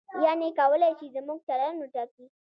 یعنې کولای شي زموږ چلند وټاکي.